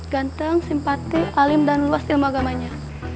ganteng simpati alim dan luas ilmu agamanya